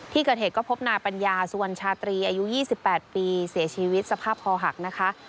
ที่เกิดเหตุก็พบนายปัญญาสุวรรณชาตรีอายุ๒๘ปีเสียชีวิตสภาพคอหักนะคะ